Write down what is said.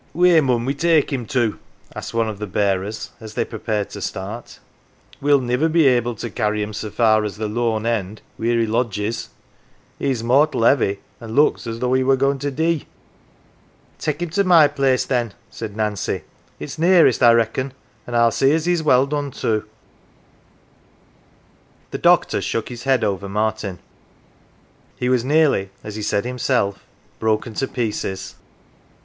" Wheer mun we take him to ?" asked one of the bearers as they prepared to start. "We'll niver be able to carry him so far as the Lone End wheer he lodges. He's mortal 'eavy, an' looks as though he wur goin' to dee." " Take him to my place, then," said Nancy. " It's nearest, I reckon, an' I'll see as he's well done to." 85 NANCY The doctor shook his head over Martin : he was nearly, as he said himself, "broken to pieces."